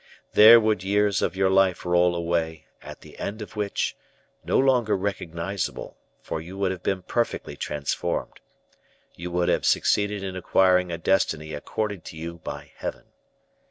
There would years of your life roll away, at the end of which, no longer recognizable, for you would have been perfectly transformed, you would have succeeded in acquiring a destiny accorded to you by Heaven.